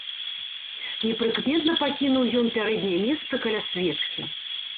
Непрыкметна пакінуў ён пярэдняе месца каля свечкі.